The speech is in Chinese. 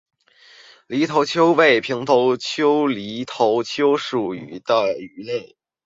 犁头鳅为平鳍鳅科犁头鳅属的鱼类。